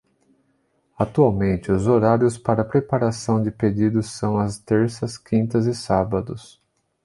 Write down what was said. Atualmente, os horários para preparação de pedidos são às terças, quintas e sábados.